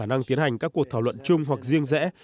chúng ta đang tiến hành các cuộc thảo luận chung hoặc riêng rẽ